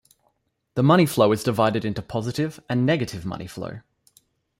The money flow is divided into positive and negative money flow.